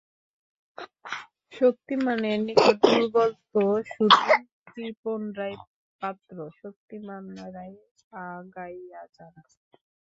শক্তিমানের নিকট দুর্বল তো শুধু কৃপারই পাত্র! শক্তিমানরাই আগাইয়া যান।